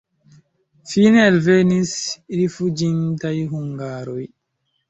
Fine alvenis rifuĝintaj hungaroj.